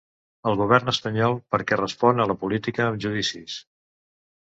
El govern espanyol, perquè respon a la política amb judicis.